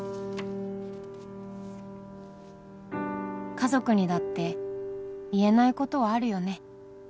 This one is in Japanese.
「家族にだって言えないことはあるよね」